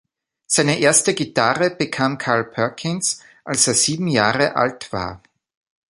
Seine erste Gitarre bekam Carl Perkins, als er sieben Jahre alt war.